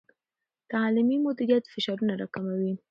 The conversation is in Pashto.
تعلیمي مدیریت فشارونه راکموي.